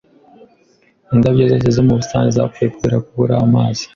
Indabyo zose zo mu busitani zapfuye kubera kubura amazi.